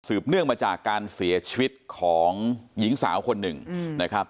เนื่องมาจากการเสียชีวิตของหญิงสาวคนหนึ่งนะครับ